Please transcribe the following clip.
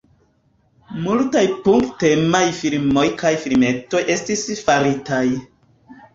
Multaj punk-temaj filmoj kaj filmetoj estis faritaj.